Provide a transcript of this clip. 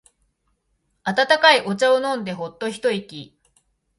温かいお茶を飲んでホッと一息。